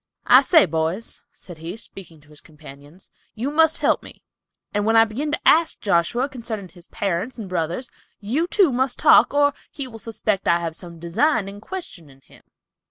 "I say, boys," said he, speaking to his companions, "you must help me, and when I begin to ask Joshua concerning his parents and brothers, you, too, must talk, or he will suspect I have some design in questioning him."